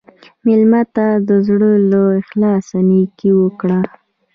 مېلمه ته د زړه له اخلاصه نیکي وکړه.